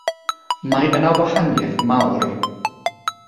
Mae yna wahaniaeth mawr.